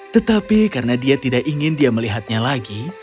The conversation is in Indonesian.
tetapi karena dia tidak ingin dia melihatnya lagi